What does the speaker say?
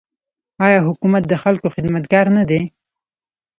آیا حکومت د خلکو خدمتګار نه دی؟